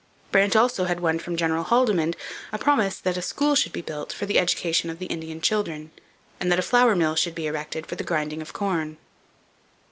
Brant also had won from General Haldimand a promise that a school should be built for the education of the Indian children, and that a flour mill should be erected for the grinding of corn.